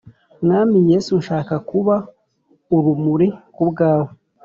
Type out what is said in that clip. Mwami yesu nshaka kuba urumuri ku bwawe